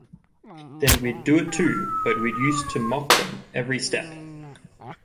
Then we'd do it too, but we used to mock 'em every step.